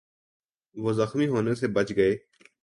وہ زخمی ہونے سے بچ گئے